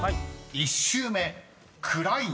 １周目「クライン」］